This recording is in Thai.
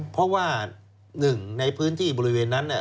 เพราะว่าหนึ่งในพื้นที่บริเวณนั้น